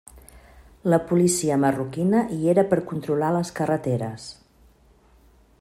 La policia marroquina hi era per controlar les carreteres.